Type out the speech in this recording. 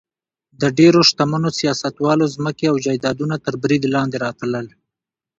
د ډېرو شتمنو سیاستوالو ځمکې او جایدادونه تر برید لاندې راتلل.